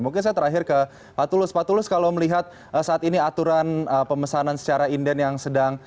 mungkin ya saya terakhir ke pak thulus pak thulus kalau melihat saat ini aturan pemesanan secara inden yang sedang marak ya